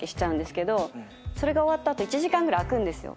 それが終わった後１時間ぐらい空くんですよ。